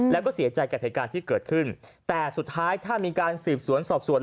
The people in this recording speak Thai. นี่จะมาขี่บนถนนสาธารณะนะ